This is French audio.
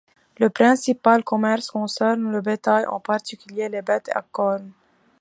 Le principal commerce concerne le bétail, en particulier les bêtes à cornes.